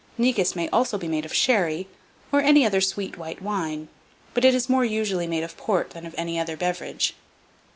Negus may also be made of sherry, or any other sweet white wine, but is more usually made of port than of any other beverage.